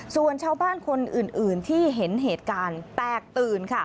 ส่วนชาวบ้านคนอื่นที่เห็นเหตุการณ์แตกตื่นค่ะ